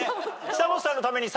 久本さんのために。